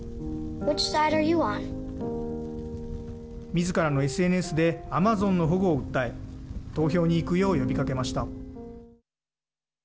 みずからのＳＮＳでアマゾンの保護を訴え投票に行くよう呼びかけました。